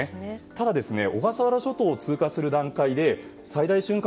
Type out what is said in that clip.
ただ、小笠原諸島を通過する段階で最大瞬間